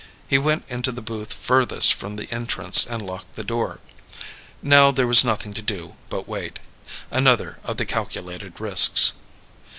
He went into the booth furthest from the entrance and locked the door. Now there was nothing to do but wait. Another of the calculated risks.